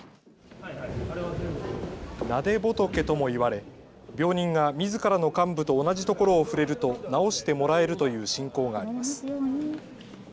撫仏とも言われ病人がみずからの患部と同じ所を触れると治してもらえるという信仰があります。